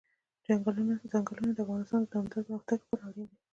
ځنګلونه د افغانستان د دوامداره پرمختګ لپاره اړین دي.